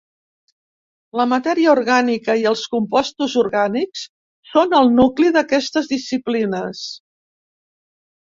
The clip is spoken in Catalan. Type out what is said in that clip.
La matèria orgànica i els compostos orgànics són el nucli d'aquestes disciplines.